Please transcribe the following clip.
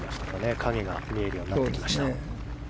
影が見えるようになってきました。